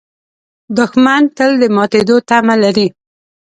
دښمن تل د ماتېدو تمه لري